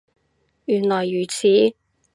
原來如此